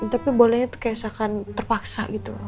tapi bolehnya tuh kayak sakan terpaksa gitu loh